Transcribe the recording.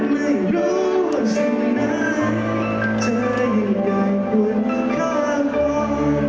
ไม่รู้ว่าชนะเธอยังได้กวนค่าพอ